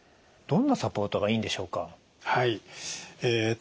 どんなサポートがいいんでしょうか？